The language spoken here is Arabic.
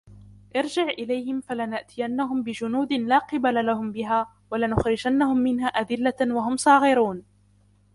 ارجع إليهم فلنأتينهم بجنود لا قبل لهم بها ولنخرجنهم منها أذلة وهم صاغرون